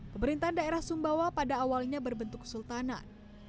pemerintahan daerah sumbawa pada awalnya berbentuk kesultanan